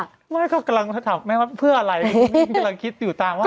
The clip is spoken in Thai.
ไม่ก็กำลังถามแม่ว่าเพื่ออะไรกำลังคิดอยู่ตามว่า